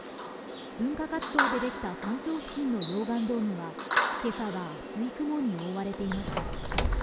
噴火活動でできた山頂付近の溶岩ドームは今朝は厚い雲に覆われていました。